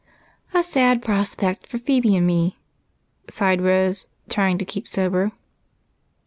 "A sad prospect for Phebe and me," sighed Rose, trying to keep sober.